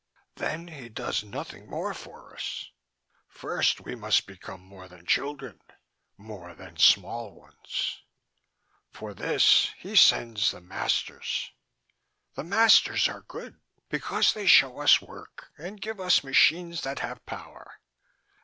"Then he does nothing more for us. First we must become more than children, more than small ones. "For this he sends the masters. "The masters are good because they show us work and give us machines that have power.